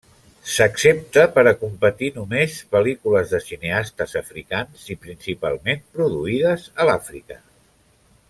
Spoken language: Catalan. S'accepta per a competir només pel·lícules de cineastes africans i principalment produïdes a l'Àfrica.